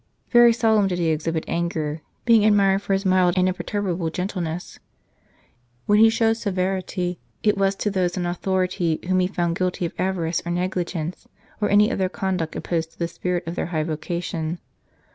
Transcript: Very seldom did he exhibit anger, being admired for his mild and imperturbable gentleness. When he showed seventy, it was to those in authority whom he found guilty of avarice or negligence or any other conduct opposed to the spirit of their high voca tion.